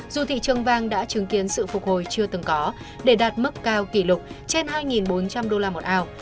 dù thị trường vàng đã chứng kiến sự phục hồi chưa từng có để đạt mức cao kỷ lục trên hai bốn trăm linh đô la một ảo